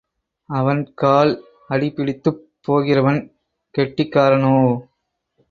அவன் கால் அடிபிடித்துப் போகிறவன் கெட்டிக்காரனோ?